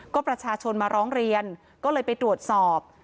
ก็ประชาชนมาร้องเรียนก็เลยไปตรวจสอบ